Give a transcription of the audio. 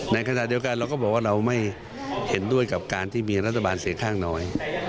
ในขณะเดียวกันเราก็บอกว่าเราไม่เห็นด้วยกับการที่มีรัฐบาลเสียงข้างน้อย